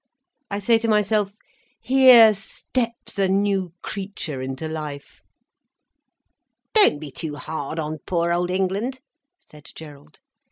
I say to myself 'Here steps a new creature into life.'" "Don't be too hard on poor old England," said Gerald.